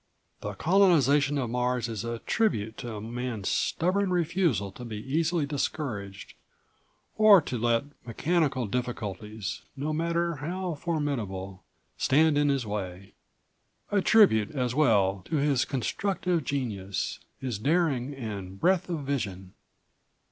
The colonization of Mars is a tribute to Man's stubborn refusal to be easily discouraged or to let mechanical difficulties, no matter how formidable, stand in his way. A tribute as well to his constructive genius, his daring and breadth of vision."